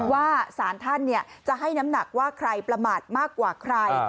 ว่าสารท่านจะให้น้ำหนักว่าใครประมาทมากกว่าใคร